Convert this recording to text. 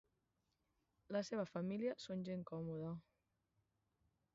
La seva família són gent còmoda.